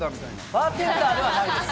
バーテンダーではないです。